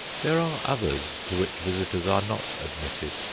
There are others to which visitors are not admitted.